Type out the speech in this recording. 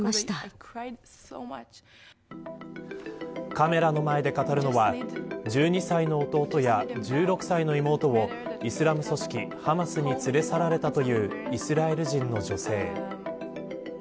カメラの前で語るのは１２歳の弟や１６歳の妹をイスラム組織、ハマスに連れ去られたというイスラエル人の女性。